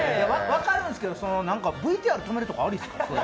分かるんですけどＶＴＲ止めるとか、ありですか？